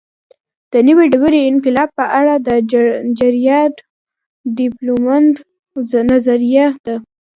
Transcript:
د نوې ډبرې انقلاب په اړه د جراډ ډیامونډ نظریه ده